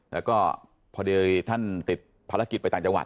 แล้วก็พอดีท่านติดภารกิจไปต่างจังหวัด